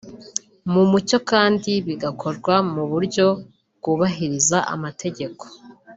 mu mucyo kandi bigakorwa mu buryo bwubahiriza amategeko